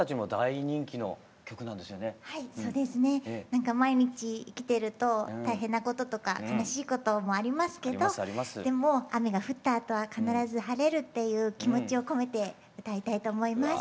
なんか毎日生きてると大変なこととか悲しいこともありますけどでも雨が降ったあとは必ず晴れるっていう気持ちを込めて歌いたいと思います。